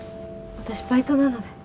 私バイトなので。